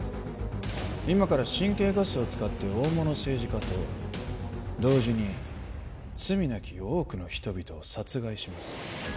今から神経ガスを使って大物政治家と同時に罪なき多くの人々を殺害します